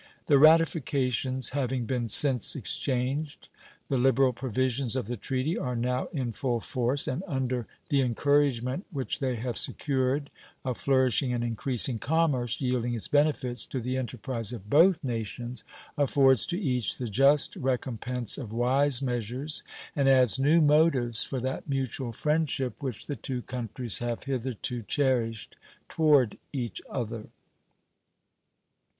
The ratifications having been since exchanged, the liberal provisions of the treaty are now in full force, and under the encouragement which they have secured a flourishing and increasing commerce, yielding its benefits to the enterprise of both nations, affords to each the just recompense of wise measures, and adds new motives for that mutual friendship which the two countries have hitherto cherished toward each other.